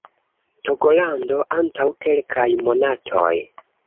Togolando antaŭ kelkaj monatoj